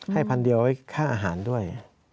ให้๑๐๐๐ไว้ค่าอาหารด้วย